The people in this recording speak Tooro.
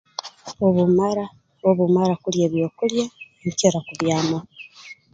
Obu mmara obu mmara kulya ebyokulya nkira kubyamaho